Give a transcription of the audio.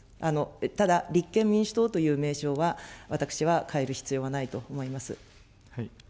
ただ、立憲民主党という名称は、私は変える必要はないと思います。